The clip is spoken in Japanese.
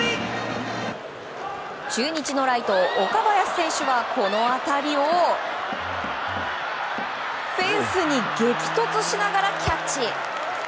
中日のライト、岡林選手はこの当たりをフェンスに激突しながらキャッチ！